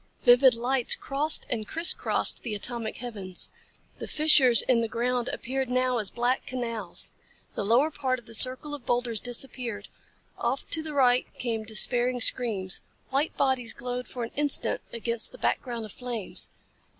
Vivid lights crossed and criss crossed the atomic heavens. The fissures in the ground appeared now as black canals. The lower part of the circle of boulders disappeared. Off to the right came despairing screams. White bodies glowed for an instant against the background of flames.